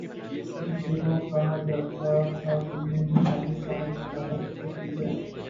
ان دنوں کہا جاتا تھا کہ یہ جاپانی سائنس دانوں کی تحقیق ہے۔